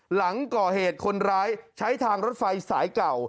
หลังก่อเหตุคนร้ายใช้ทางรถไฟสายเก่า